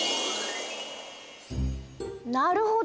なるほど！